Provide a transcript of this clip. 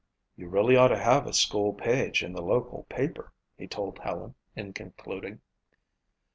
"You really ought to have a school page in the local paper," he told Helen in concluding.